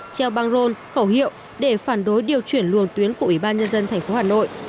treo băng rôn khẩu hiệu để phản đối điều chuyển luồng tuyến của ủy ban nhân dân tp hà nội